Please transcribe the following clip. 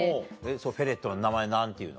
フェレットの名前何ていうの？